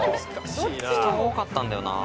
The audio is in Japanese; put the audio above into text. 人が多かったんだよな。